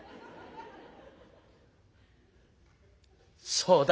「そうだ。